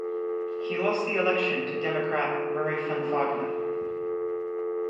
He lost the election to Democrat Murray Van Wagoner.